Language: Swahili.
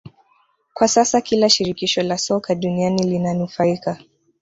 Kwa sasa kila shirikisho la soka duniani linanufaika